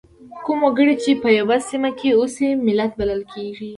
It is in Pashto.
کوم وګړي چې په یوه سیمه کې اوسي ملت بلل کیږي.